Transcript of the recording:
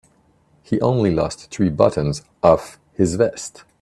He only lost three buttons off his vest.